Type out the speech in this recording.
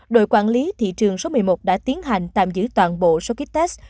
đội quản lý thị trường số một mươi một đã tiến hành tạm giữ toàn bộ số kích test